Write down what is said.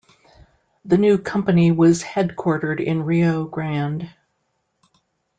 The new company was headquartered in Rio Grande.